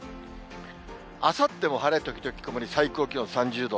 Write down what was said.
あさっても晴れ時々曇り、最高気温３０度。